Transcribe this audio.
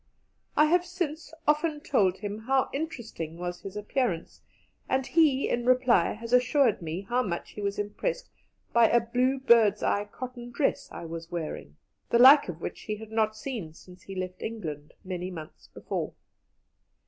I have since often told him how interesting was his appearance, and he, in reply, has assured me how much he was impressed by a blue bird's eye cotton dress I was wearing, the like of which he had not seen since he left England, many months before.